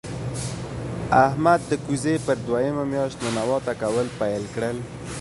احمد د کوزې پر دویمه مياشت ننواته کول پیل کړل.